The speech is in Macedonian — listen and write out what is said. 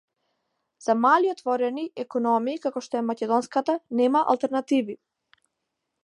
За мали отворени економии како што е македонската, нема алтернативи